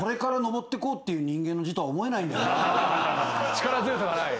力強さがない。